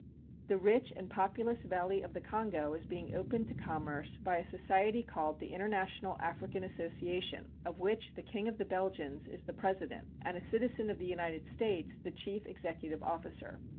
The rich and populous valley of the Kongo is being opened to commerce by a society called the International African Association, of which the King of the Belgians is the president and a citizen of the United States the chief executive officer.